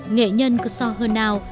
nghệ nhân kso hơ nào